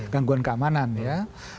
gangguan keamanan ya